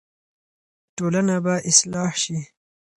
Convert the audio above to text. ټولنه به اصلاح شي.